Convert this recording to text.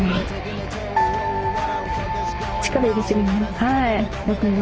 はい。